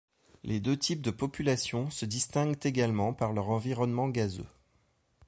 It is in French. Les deux types de population se distinguent également par leur environnement gazeux.